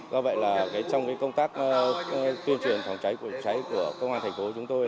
do vậy là trong công tác tuyên truyền phòng cháy của công an thành phố chúng tôi